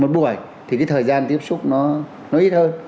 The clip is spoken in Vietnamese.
một buổi thì cái thời gian tiếp xúc nó ít hơn